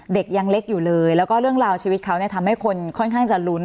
ใดจากนี้นะคะทุบว่าเกิดขึ้นวันที่สิบสามเสร็จหมดนะคะ